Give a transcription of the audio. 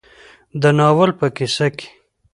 د ناول په کيسه کې